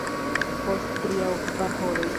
Post tri aŭ kvar horoj.